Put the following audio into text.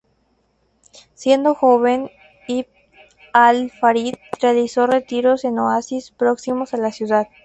Siendo joven, Ibn al-Farid realizó retiros en oasis próximos a la ciudad.